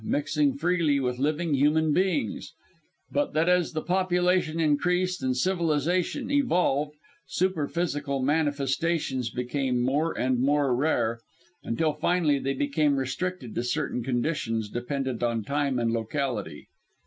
mixing freely with living human beings; but that as the population increased and civilization evolved, superphysical manifestations became more and more rare, until finally they became restricted to certain conditions dependent on time and locality.